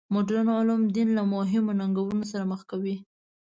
مډرن علوم دین له مهمو ننګونو سره مخ کوي.